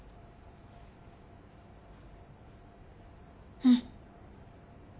うん。